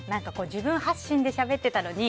自分発信でしゃべってたのに。